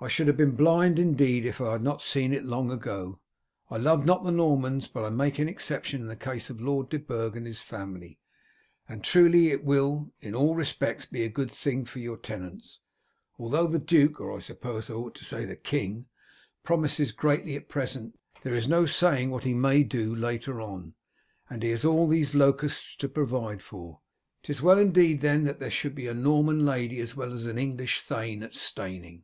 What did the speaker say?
"I should have been blind indeed if I had not seen it long ago. I love not the Normans, but I make exception in the case of Lord de Burg and his family. And truly it will in all respects be a good thing for your tenants. Although the duke, or I suppose I ought to say the king, promises greatly at present, there is no saying what he may do later on; and he has all these locusts to provide for. 'Tis well indeed, then, that there should be a Norman lady as well as an English thane at Steyning."